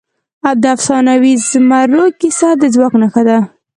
د افسانوي زمرو کیسه د ځواک نښه ده.